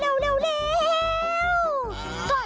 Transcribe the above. เจ้าแจ๊กริมเจ้า